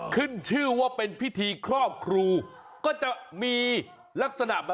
ขอบคุณครับ